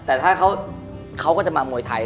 แต่ถ้าเขาก็จะมามวยไทย